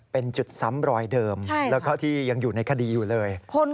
เป็นจุดซ้ำรอยเดิมแล้วก็ที่ยังอยู่ในคดีอยู่เลย